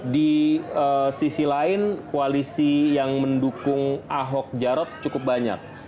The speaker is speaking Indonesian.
di sisi lain koalisi yang mendukung ahok jarot cukup banyak